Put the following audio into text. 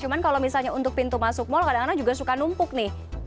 jadi memang kalau misalnya untuk pintu masuk mall kadang kadang juga suka numpuk nih